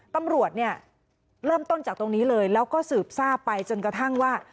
ตำรวจเนี่ยเริ่มต้นจากตรงนี้เลยแล้วก็สืบทราบไปจนกระทั่งว่า